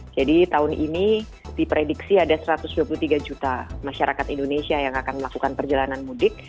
jadi tahun ini diprediksi ada satu ratus dua puluh tiga juta masyarakat indonesia yang akan melakukan perjalanan mudik